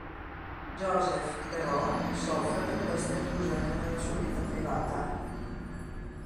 Joseph, però, soffre per questa intrusione nella sua vita privata.